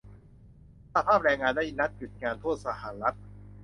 สหภาพแรงงานได้นัดหยุดงานทั่วสหรัฐ